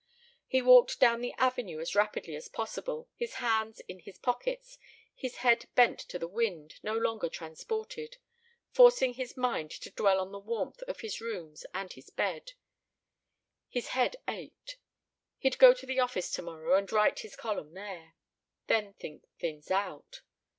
He walked down the avenue as rapidly as possible, his hands in his pockets, his head bent to the wind, no longer transported; forcing his mind to dwell on the warmth of his rooms and his bed. ... His head ached. He'd go to the office tomorrow and write his column there. Then think things out.